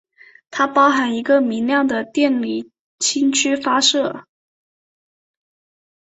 它包含一个明亮的电离氢区发射。